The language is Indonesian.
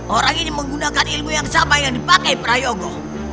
orang ini menggunakan ilmu yang sama yang dipakai prayogo